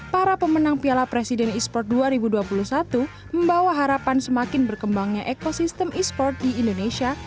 para pemenang piala presiden esports dua ribu dua puluh satu membawa harapan semakin berkembangnya ekosistem e sport di indonesia